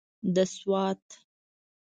د سوات.